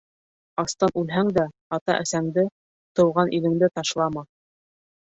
Астан үлһәң дә, ата-әсәңде, тыуған илеңде ташлама.